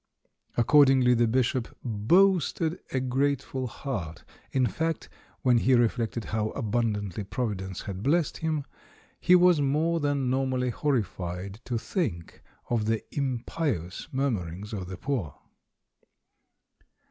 Accordingly, the Bishop boasted a grateful heart; in fact when he reflected how abundantly Providence had blessed him, he was 346 THE MAN WHO UNDERSTOOD WOMEN more than normally horrified to think of the im pious murmiirings of the poor.